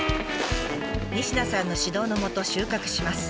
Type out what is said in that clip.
仁科さんの指導のもと収穫します。